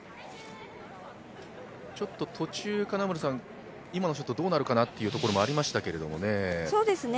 ちょっと途中、今のショットどうなるかなというところもありましたけどね？